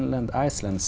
tất cả là về